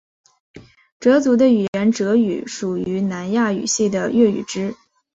哲族的语言哲语属于南亚语系的越语支。